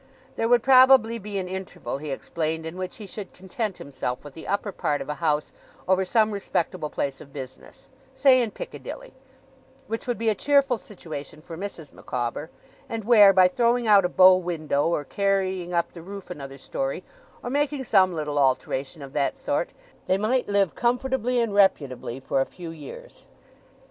There would probably be an interval, he explained, in which he should content himself with the upper part of a house, over some respectable place of business say in Piccadilly, which would be a cheerful situation for Mrs. Micawber; and where, by throwing out a bow window, or carrying up the roof another story, or making some little alteration of that sort, they might live, comfortably and reputably, for a few years.